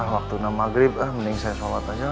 waktu udah maghrib mending saya sholat aja